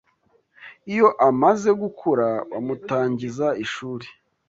Iyo amaze gukura bamutangiza ishuri